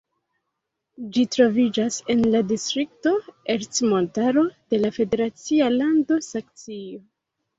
Ĝi troviĝas en la distrikto Ercmontaro de la federacia lando Saksio.